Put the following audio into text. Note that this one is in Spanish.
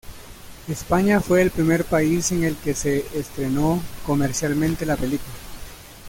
España fue el primer país en el que se estrenó comercialmente la película.